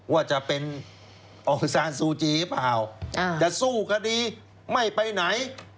ว่าจะเป็นองศาสุจริบหล่าวจะสู้คดีไม่ไปไหน